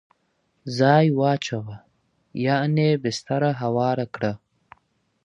ځای واچوه ..یعنی بستره هواره کړه